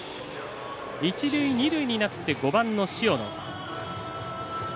一塁二塁になって５番の塩野。